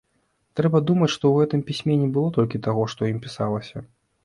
Трэба думаць, што ў гэтым пісьме не было толькі таго, што ў ім пісалася.